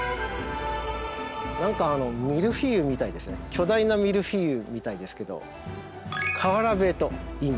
巨大なミルフィーユみたいですけど瓦塀といいます。